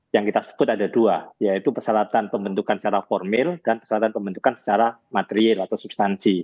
yang kita sebut ada dua yaitu persyaratan pembentukan secara formil dan persyaratan pembentukan secara material atau substansi